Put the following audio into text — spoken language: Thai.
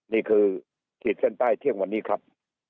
นี่คือขีดเส้นใต้เที่ยงวันนี้ครับ